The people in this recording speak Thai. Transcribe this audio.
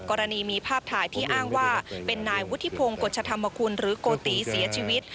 กรณีมีภาพถ่ายที่อ้างว่าเป็นนายวุฒิพงศ์กฎชธรรมคุณหรือโกติเสียชีวิต